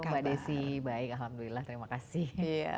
halo mbak desy baik alhamdulillah terima kasih